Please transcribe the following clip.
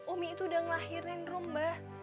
umi itu udah ngelahirin rum mbah